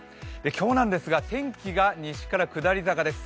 今日なんですが、天気が西から下り坂です。